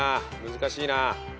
難しいな。